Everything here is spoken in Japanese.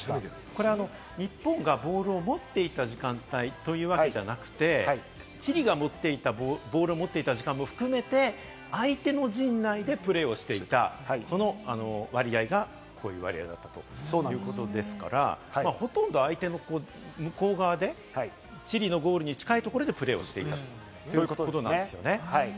これは日本がボールを持っていた時間帯というわけではなくて、チリが持っていたボールも含めて、相手の陣内でプレーをしていたその割合が、こういう割合だということですから、ほとんど相手側でチリのゴールに近いところでプレーをしていた、そういうことですね。